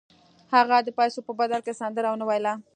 هغه د پیسو په بدل کې سندره ونه ویله